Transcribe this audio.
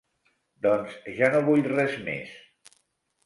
Doncs ja no vull res més.